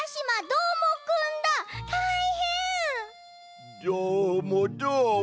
どーもどーも。